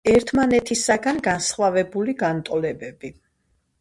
ერთმანეთისაგან განსხვავებული განტოლებები.